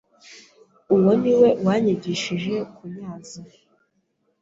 uwo Niwe wanyigishije kunyaza